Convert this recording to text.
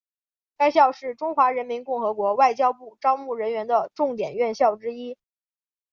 该校是中华人民共和国外交部招募人员的重点院校之一。